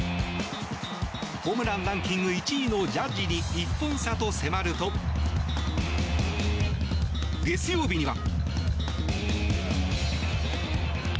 ホームランランキング１位のジャッジに１本差と迫ると月曜日には。